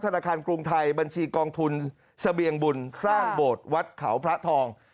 ธนาคารกรุงไทยบัญชีกองทุนเสบียงบุญสร้างโบสถ์วัดเขาพระทอง